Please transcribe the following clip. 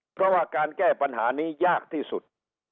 เพราะว่าการแก้ปัญหานี้ยากที่สุด